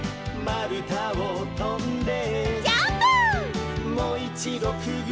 「まるたをとんで」